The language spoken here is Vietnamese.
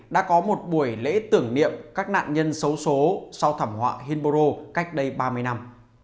đã có một buổi lễ tưởng niệm các nạn nhân xấu xố sau thảm họa hinboro cách đây ba mươi năm